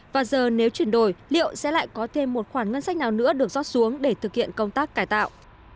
và giờ nếu chuyển đổi liệu sẽ lại có thêm một khoản ngân sách nào nữa được rót xuống để thực hiện công tác cải tạo